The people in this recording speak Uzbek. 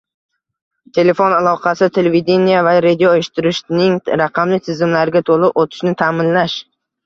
telefon aloqasi, televideniye va radioeshittirishning raqamli tizimlariga to'liq o'tishni ta'minlash